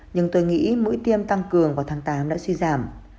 nhưng tôi nghĩ mũi tiêm tăng cường vào tháng tám đã suy giảm